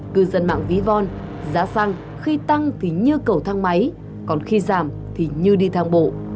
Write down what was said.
cư dân mạng ví von giá xăng khi tăng thì như cầu thang máy còn khi giảm thì như đi thang bộ